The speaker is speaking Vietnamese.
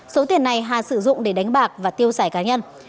số tiền này hà sử dụng để đánh bạc và tiêu xài cá nhân